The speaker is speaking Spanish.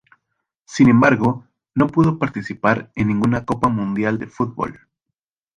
Sin embargo, no pudo participar en ninguna Copa Mundial de Fútbol.